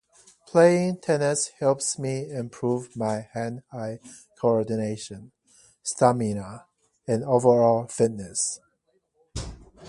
Playing tennis helps me improve my hand-eye coordination, stamina, and overall fitness.